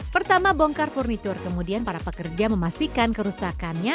pertama bongkar furnitur kemudian para pekerja memastikan kerusakannya